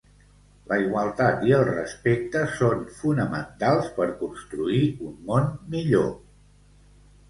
La igualtat i el respecte són fonamentals per construir un món millor.